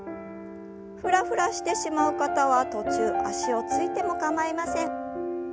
ふらふらしてしまう方は途中足をついても構いません。